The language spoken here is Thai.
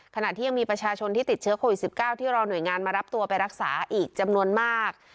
ขณะที่ยังมีประชาชนที่ติดเชื้อโควิด๑๙ที่รอหน่วยงานมารับตัวไปรักษาอีกจำนวนมาก